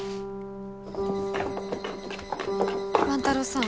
万太郎さん。